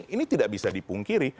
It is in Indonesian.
ini tidak bisa dipungkiri